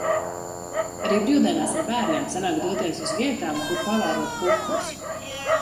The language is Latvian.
Arī brīvdienās ar bērniem sanāk doties uz vietām, kur pavērot putnus.